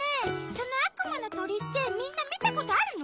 そのあくまのとりってみんなみたことあるの？